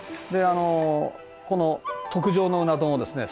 この特上のうな丼をですね